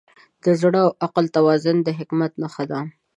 د زړه او عقل توازن د حکمت نښه ده.